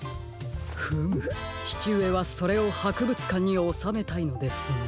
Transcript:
フムちちうえはそれをはくぶつかんにおさめたいんですね。